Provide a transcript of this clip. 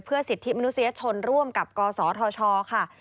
สิทธิมนุษยชนร่วมกับกศธชค่ะ